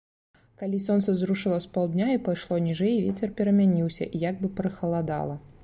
Калі сонца зрушыла з паўдня і пайшло ніжэй, вецер перамяніўся, і як бы прыхаладала.